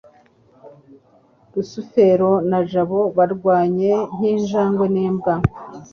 rusufero na jabo barwanye nk'injangwe n'imbwa